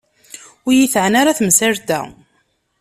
Ur yi-teɛni ara temsalt-a.